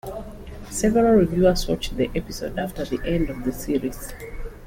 Several reviewers watched the episode after the end of the series.